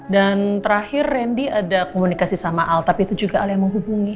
dan terakhir randy ada komunikasi sama al tapi itu juga al yang menghubungi